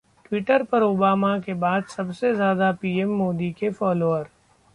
Twitter पर Obama के बाद सबसे ज्यादा पीएम मोदी के फॉलोअर